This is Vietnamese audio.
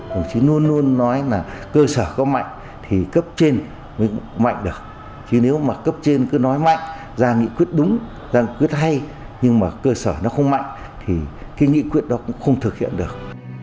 nó không mạnh thì cái nghị quyết đó cũng không thực hiện được